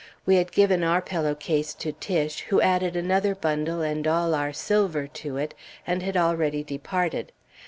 We had given our pillow case to Tiche, who added another bundle and all our silver to it, and had already departed.